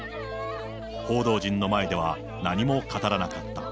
報道陣の前では何も語らなかった。